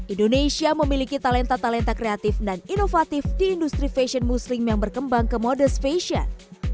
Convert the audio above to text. indonesia memiliki talenta talenta kreatif dan inovatif di industri fashion muslim yang berkembang ke modest fashion